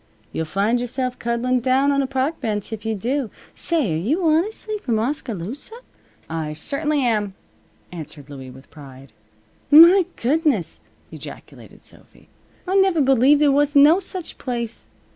You'll find yourself cuddling down on a park bench if you do. Say, are you honestly from Oskaloosa?" "I certainly am," answered Louie, with pride. "My goodness!" ejaculated Sophy. "I never believed there was no such place.